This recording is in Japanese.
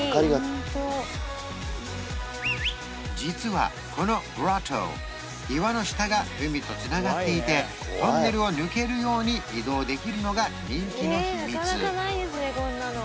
実はこのグロット岩の下が海とつながっていてトンネルを抜けるように移動できるのが人気の秘密